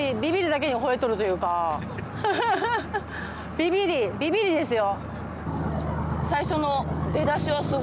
ビビりビビりですよ。